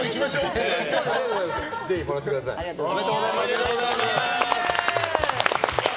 ありがとうございます。